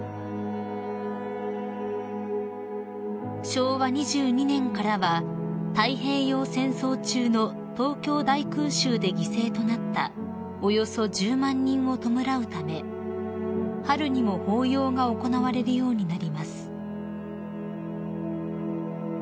［昭和２２年からは太平洋戦争中の東京大空襲で犠牲となったおよそ１０万人を弔うため春にも法要が行われるようになります］